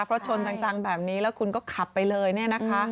เพราะชนจังแบบนี้แล้วคุณก็ขับไปเลยเนี่ยนะคะ